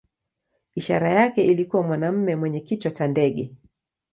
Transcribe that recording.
Ishara yake ilikuwa mwanamume mwenye kichwa cha ndege.